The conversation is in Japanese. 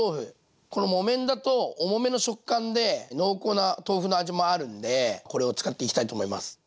この木綿だと重めの食感で濃厚な豆腐の味もあるんでこれを使っていきたいと思います。